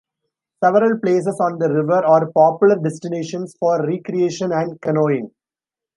Several places on the river are popular destinations for recreation and canoeing.